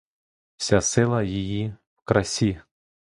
Вся сила її в красі.